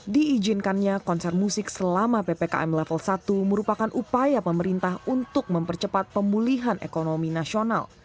diizinkannya konser musik selama ppkm level satu merupakan upaya pemerintah untuk mempercepat pemulihan ekonomi nasional